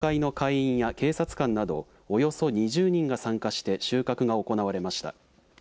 きょうは協会の会員や警察官などおよそ２０人が参加して収穫が行われました。